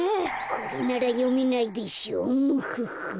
これならよめないでしょムフフ。